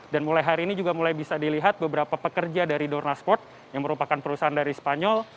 dan mulai hari ini juga mulai bisa dilihat beberapa pekerja dari dorna sport yang merupakan perusahaan dari spanyol